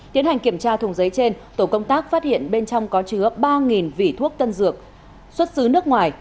tiến hành kiểm tra thùng giấy trên tổ công tác phát hiện bên trong có chứa ba vỉ thuốc tân dược xuất xứ nước ngoài